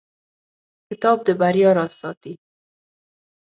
کتاب د بریا راز ساتي.